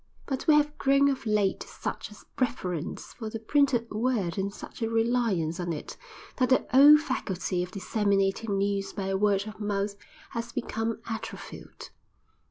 But we have grown of late to such a reverence for the printed word and such a reliance on it, that the old faculty of disseminating news by word of mouth has become atrophied.